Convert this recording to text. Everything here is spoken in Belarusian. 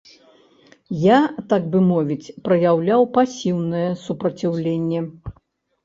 Я, так бы мовіць, праяўляў пасіўнае супраціўленне.